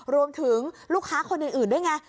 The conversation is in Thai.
รวมถึงลูกค้าคนอื่นด้วยไง